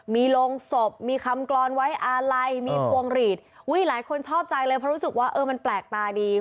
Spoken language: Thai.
มีโรงศพมีคำกรอนไว้อาลัยมีพวงหลีดอุ้ยหลายคนชอบใจเลยเพราะรู้สึกว่าเออมันแปลกตาดี